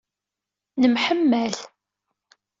Nemḥemmal.